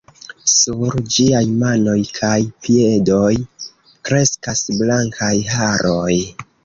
Sur ĝiaj manoj kaj piedoj kreskas blankaj haroj.